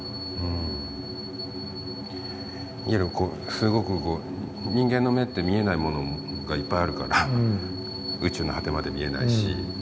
すごくこう人間の目って見えないものがいっぱいあるから宇宙の果てまで見えないし。